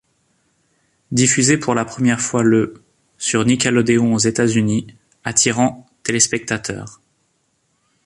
Diffusé pour la première fois le sur Nickelodeon aux États-Unis, attirant téléspectateurs.